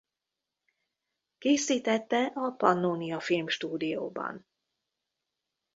Készítette a Pannónia Filmstúdióban